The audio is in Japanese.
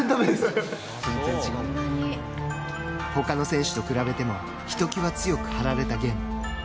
他の選手と比べてもひときわ強く張られた弦。